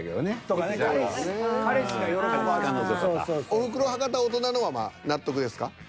「おふくろ」「博多」「大人」のはまあ納得ですか？